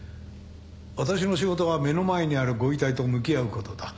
私の仕事は目の前にあるご遺体と向き合う事だ。